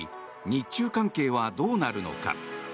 日中関係はどうなるのか。